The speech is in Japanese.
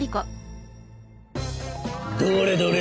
どれどれ。